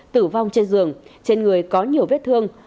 tử vong trên giường trên người có nhiều vết thương